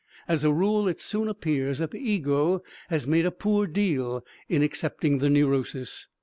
As a rule it soon appears that the ego has made a poor deal in accepting the neurosis.